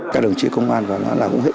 các đồng chí công an và nó là hữu hữu